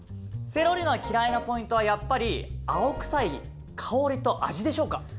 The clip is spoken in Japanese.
セロリが嫌いなポイントはやっぱり青臭い香りと味でしょうか？